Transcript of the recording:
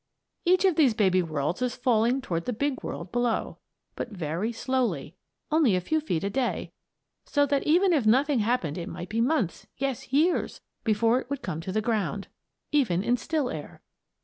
Each of these baby worlds is falling toward the big world below. But very slowly; only a few feet a day, so that even if nothing happened it might be months yes, years before it would come to the ground, even in still air.